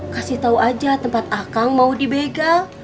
kasih tahu aja tempat akang mau dibegal